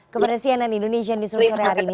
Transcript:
kepada cnn indonesia newsroom sore hari ini